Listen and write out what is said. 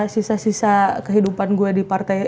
sisa sisa kehidupan gue di partai